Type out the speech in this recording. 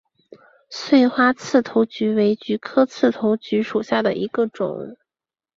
穗花刺头菊为菊科刺头菊属下的一个种。